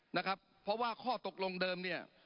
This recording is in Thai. นะครับเพราะว่าข้อตกลงเดิมเนี่ย